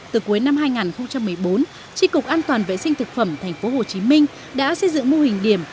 từ cuối năm hai nghìn một mươi bốn tri cục an toàn vệ sinh thực phẩm tp hcm đã xây dựng mô hình điểm